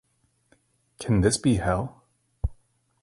Can this be hell?